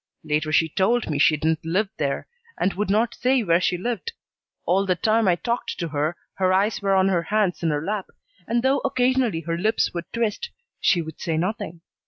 Later she told me she didn't live there, and would not say where she lived. All the time I talked to her her eyes were on her hands in her lap and, though occasionally her lips would twist, she would say nothing.